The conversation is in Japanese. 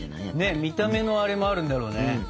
ねっ見た目のあれもあるんだろうね。